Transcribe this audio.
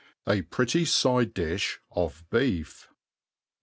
A pretty Side Dljh of Beef.